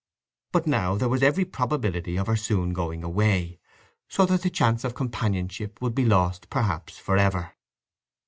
But now there was every probability of her soon going away, so that the chance of companionship would be lost perhaps for ever.